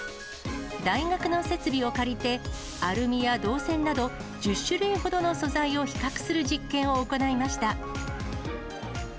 大学の設備を借りて、アルミや銅線など、１０種類ほどの素材を比較する実験を行いました。